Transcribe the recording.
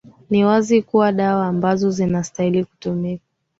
ni wazi kuwa dawa ambazo zinastahili kutumika